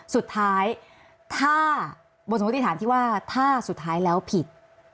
สุดท้ายถ้าบทสมมติฐานที่ว่าถ้าสุดท้ายแล้วผิด